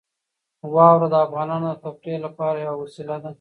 واوره د افغانانو د تفریح لپاره یوه وسیله ده.